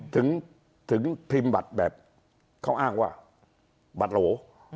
ถึงพิมพ์บัตรแบบเขาอ้างว่าบัตรโหล